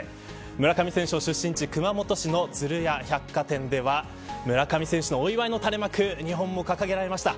村上選手の出身地熊本市の鶴屋百貨店では村上選手のお祝いの垂れ幕２本も掲げられました。